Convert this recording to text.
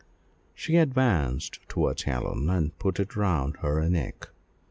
She advanced towards Helen and put it round her neck.